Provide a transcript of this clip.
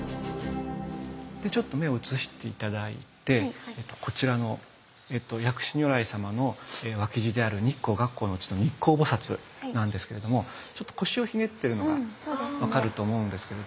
ちょっと目を移して頂いてこちらの薬師如来様の脇侍である日光月光のうちの日光菩なんですけれどもちょっと腰をひねってるのが分かると思うんですけれども。